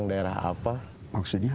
gak ada apa apa pipa